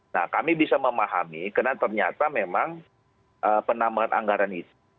nah kami bisa memahami karena ternyata memang penambahan anggaran itu